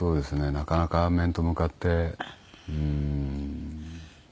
なかなか面と向かってうーん。